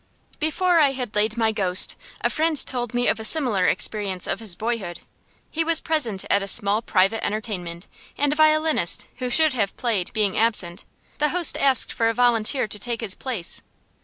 Before I had laid my ghost, a friend told me of a similar experience of his boyhood. He was present at a small private entertainment, and a violinist who should have played being absent, the host asked for a volunteer to take his place.